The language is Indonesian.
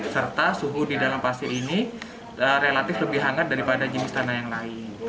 serta suhu di dalam pasir ini relatif lebih hangat daripada jenis tanah yang lain